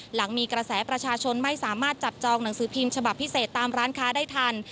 หลังมีกระแสประชาชนไม่สามารถจับจองหนังสือพิมพ์ฉบับพิเศษตามร้านค้าได้ทัน